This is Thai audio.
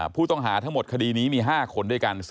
ผู้ต้องหาทั้งหมดคดีนี้มี๕คนด้วยกัน